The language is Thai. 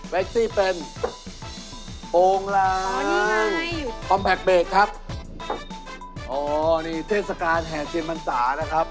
แว็กซี่ครับแว็กซี่เป็นโองลังคอมแพคเบรกครับอ๋อนี่เทศกาลแห่งเตรียมพันธานะครับ